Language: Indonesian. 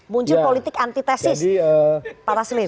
muncul politik antitesis para slim